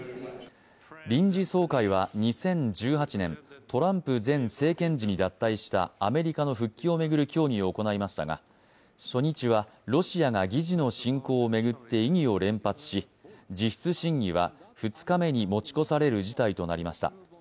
臨時総会は２０１８年、トランプ前政権時に脱退したアメリカの復帰を巡る協議を行いましたが、初日はロシアが議事の進行を巡って異議を連発し実質審議は２日目に持ち越される事態となりました。